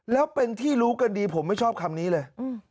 แล้วเป็นที่รู้กันดีผมไม่ชอบคำนี้เลย